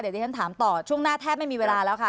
เดี๋ยวที่ฉันถามต่อช่วงหน้าแทบไม่มีเวลาแล้วค่ะ